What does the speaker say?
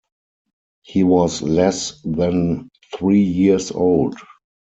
He was less than three years old.